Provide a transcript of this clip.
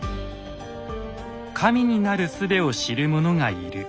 神になる術を知る者がいる。